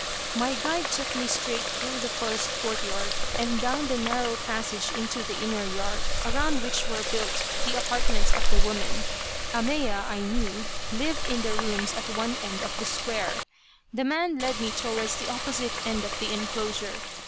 My guide took me straight through the first court yard, and down the narrow passage into the inner yard, around which were built the apartments of the woman. Ahmeya, I knew, lived in the rooms at one end of the square. The man led me towards the opposite end of the enclosure.